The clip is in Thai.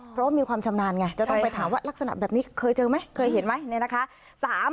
เพราะว่ามีความชำนาญไงจะต้องไปถามว่ารักษณะแบบนี้เคยเจอไหมเคยเห็นไหมเนี่ยนะคะ